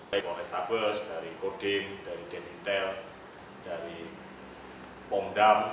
dari kode establish dari kode game dari detail dari pomdam